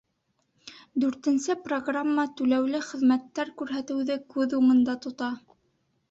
Дүртенсе программа түләүле хеҙмәттәр күрһәтеүҙе күҙ уңында тота.